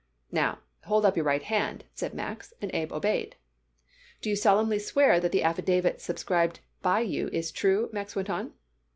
"Now, hold up your right hand," said Max, and Abe obeyed. "Do you solemnly swear that the affidavit subscribed by you is true?" Max went on.